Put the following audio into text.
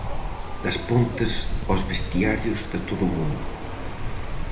Das Pontes aos vestiarios de todo o mundo.